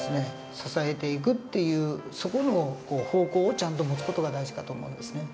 支えていくっていうそこの方向をちゃんと持つ事が大事かと思うんですね。